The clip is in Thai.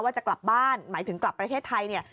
ว่าจะกลับบ้านหมายถึงกลับประเทศไทย